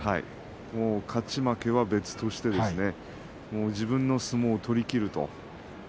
勝ち負けは別として自分の相撲を取りきると。